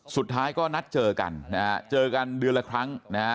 สุดท้ายก็นัดเจอกันเจอกันเดือนละครั้ง